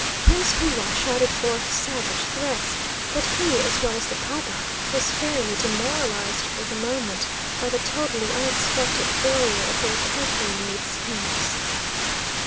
Prince Hua shouted forth savage threats, but he, as well as the paba, was fairly demoralised for the moment by the totally unexpected failure of their carefully laid schemes.